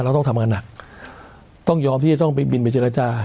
ต้องทำงานหนักต้องยอมที่จะต้องไปบินไปเจรจา